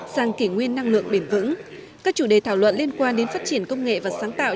sang kỷ nguyên năng lượng bền vững các chủ đề thảo luận liên quan đến phát triển công nghệ và sáng tạo